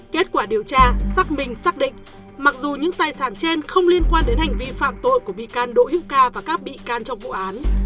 kết quả điều tra xác minh xác định mặc dù những tài sản trên không liên quan đến hành vi phạm tội của bị can đỗ hữu ca và các bị can trong vụ án